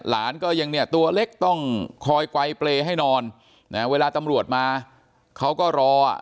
หลานก็ยังเนี่ยตัวเล็กต้องคอยไกลเปรย์ให้นอนนะเวลาตำรวจมาเขาก็รออ่ะ